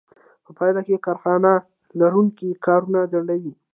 په پایله کې کارخانه لرونکي کارونه ځنډوي